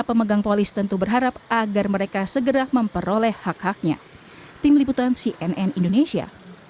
pemegang polis tentu berharap agar mereka segera memperoleh hak haknya tim liputan cnn indonesia